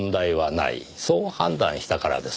そう判断したからです。